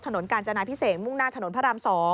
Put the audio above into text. กาญจนาพิเศษมุ่งหน้าถนนพระราม๒